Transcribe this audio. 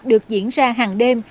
được diễn ra hàng đêm